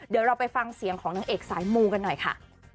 เดี๋ยวเราไปฟังเสียงของนางเอกสายมูกันหน่อยค่ะ